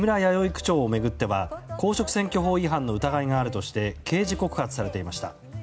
区長を巡っては公職選挙法違反の疑いがあるとして刑事告発されていました。